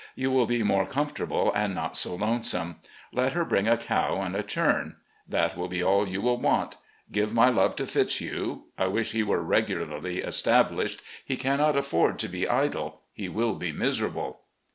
You will be more comfortable, and not so lonesome. Let her bring a cow and a chum. That will be all you will want. ... Give my love to Fitzhugh. I wish he were regularly established. He cannot afford to be idle. He will be miserable."